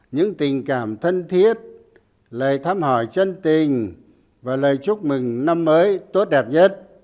những tình cảm thân thiết lời thăm hỏi chân tình và lời chúc mừng năm mới tốt đẹp nhất